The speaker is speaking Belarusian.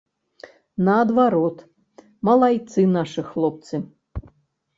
Наадварот, малайцы нашы хлопцы.